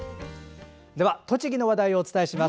栃木の話題をお伝えします。